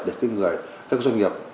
để các doanh nghiệp